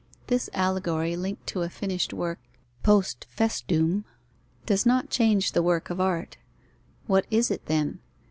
This allegory linked to a finished work post festum does not change the work of art. What is it, then?